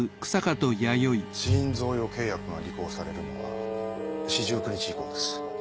死因贈与契約が履行されるのは四十九日以降です。